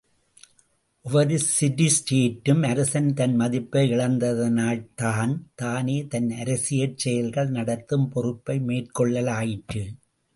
ஒவ்வொரு சிடி ஸ்டேட்டும், அரசன் தன் மதிப்பை இழந்ததனால்தான், தானே தன் அரசியற் செயல்கள் நடத்தும் பொறுப்பை மேற்கொள்ளலாயிற்று.